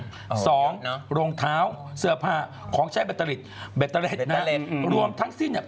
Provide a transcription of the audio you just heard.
สำอางสองโรงเท้าเสื้อผ้าของใช้นะรวมทั้งสิ้นเนี้ย